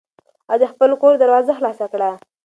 هغه د خپل کور دروازه خلاصه کړه.